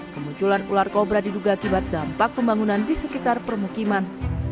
kemunculan ular kobra diduga akibat dampak pembangunan di sekitar permukiman